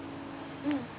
うん。